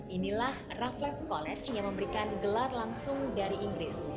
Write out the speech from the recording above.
inilah raffles college yang memberikan gelar langsung dari inggris